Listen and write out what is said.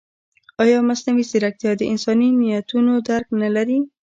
ایا مصنوعي ځیرکتیا د انساني نیتونو درک نه لري؟